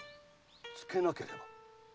つけなければ？